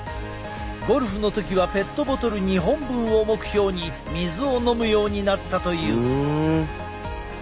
ゴルフの時はペットボトル２本分を目標に水を飲むようになったという。